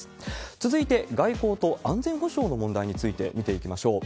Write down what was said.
続いて、外交と安全保障の問題について見ていきましょう。